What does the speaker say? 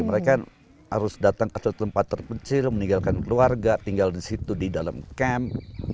mereka harus datang ke tempat terpencil meninggalkan keluarga tinggal di situ di dalam camp